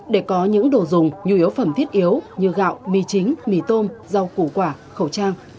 để có những đồ dùng nhu yếu phẩm thiết yếu như gạo mì chính mì tôm rau củ quả khẩu trang